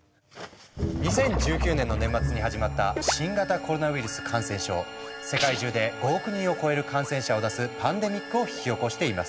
２０１９年の年末に始まった世界中で５億人を超える感染者を出すパンデミックを引き起こしています。